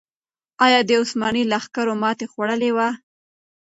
آیا د عثماني لښکرو ماتې خوړلې وه؟